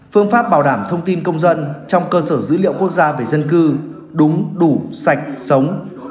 phương pháp bảo đảm thông tin công dân trong cơ sở dữ liệu quốc gia về dân cư đúng đủ sạch sống